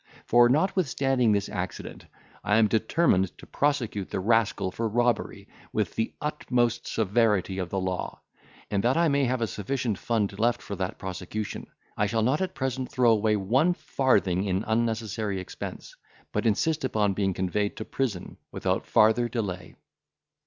For, notwithstanding this accident, I am determined to prosecute the rascal for robbery with the utmost severity of the law; and, that I may have a sufficient fund left for that prosecution, I shall not at present throw away one farthing in unnecessary expense, but insist upon being conveyed to prison without farther delay."